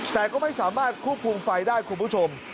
แต่ก็ไม่สามารถควบคุมไฟได้คุณผู้ชม